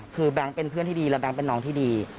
คือแบงค์เป็นเพื่อนที่ดีและแก๊งเป็นน้องที่ดี